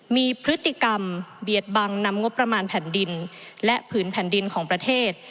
มีพฤติกรรมเบียดบังนำงบประมาณแผ่นดินและผืนแผ่นดินของประเทศ